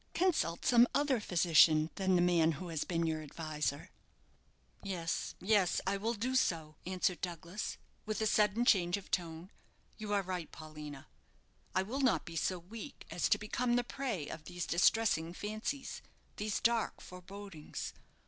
Consult some other physician than the man who is now your adviser." "Yes, yes; I will do so," answered Douglas, with, a sudden change of tone; "you are right, Paulina. I will not be so weak as to become the prey of these distressing fancies, these dark forebodings.